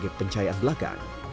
dan juga pencahayaan belakang